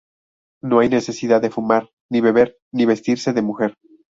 No hay necesidad de fumar ni beber ni vestirse de mujer.